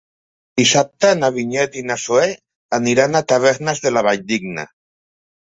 Dissabte na Vinyet i na Zoè aniran a Tavernes de la Valldigna.